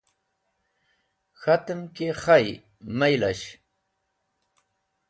K̃hatem ki khay, maylash.